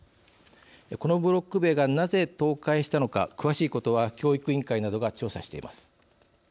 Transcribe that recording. このブロック塀がなぜ倒壊したのか詳しいことは教育委員会などが調査しています。